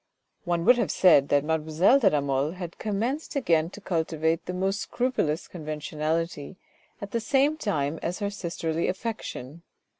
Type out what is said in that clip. One would have said that mademoiselle de la Mole had commenced again to cultivate the most scrupulous conventionality at the same time as her sisterly affection.